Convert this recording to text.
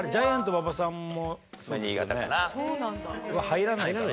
入らないかな。